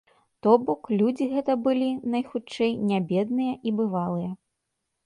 То бок, людзі гэта былі, найхутчэй, не бедныя і бывалыя.